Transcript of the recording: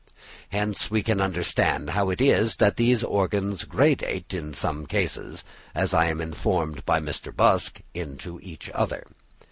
Hence, we can understand how it is that these organs graduate in some cases, as I am informed by Mr. Busk, into each other.